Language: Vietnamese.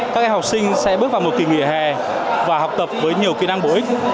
các em học sinh sẽ bước vào một kỳ nghỉ hè và học tập với nhiều kỹ năng bổ ích